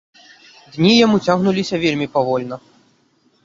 Дні яму цягнуліся вельмі павольна.